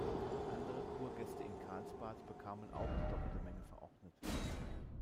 Andere Kurgäste in Karlsbad bekamen auch die doppelte Menge verordnet.